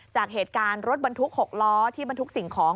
จากเหตุการณ์รถบรรทุก๖ล้อที่บรรทุกสิ่งของ